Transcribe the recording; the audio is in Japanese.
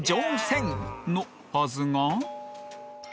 のはずが